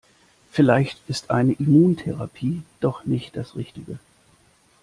Vielleicht ist eine Immuntherapie doch nicht das Richtige.